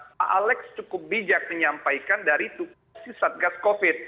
pak alex cukup bijak menyampaikan dari tukun sisa gas covid